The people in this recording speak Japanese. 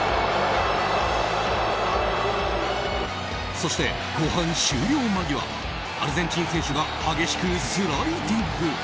そして、後半終了間際アルゼンチン選手が激しくスライディング。